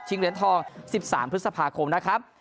ชิงเหรียญทองสิบสามพฤษภาคมนะครับ